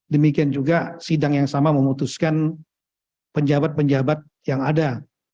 demikian juga sidang yang sama memutuskan penjabat penjabat yang ada